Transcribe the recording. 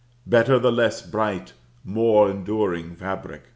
Better the less bright, more enduring fabric.